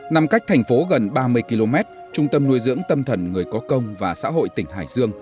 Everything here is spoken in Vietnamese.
nằm cách thành phố gần ba mươi km trung tâm nuôi dưỡng tâm thần người có công và xã hội tỉnh hải dương